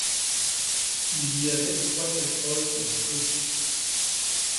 il y avait trois casseroles sur le feu.